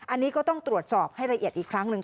อันนี้ก็ต้องตรวจสอบให้ละเอียดอีกครั้งหนึ่ง